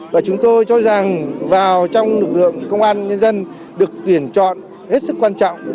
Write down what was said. và chúng tôi cho rằng vào trong lực lượng công an nhân dân được tuyển chọn hết sức quan trọng